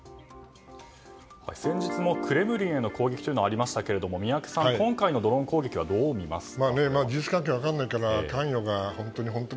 先日もクレムリンへの攻撃がありましたが宮家さん、今回のドローン攻撃はどう見ますか？